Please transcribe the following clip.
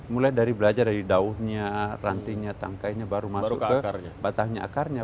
mulai dari belajar dari daunnya rantinya tangkainya baru masuk batahnya akarnya